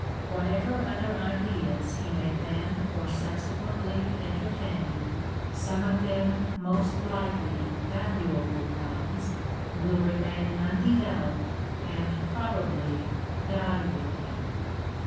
Whatever other ideas he may then or subsequently entertain some of them most likely valuable ones — will remain unde veloped and probably die with him.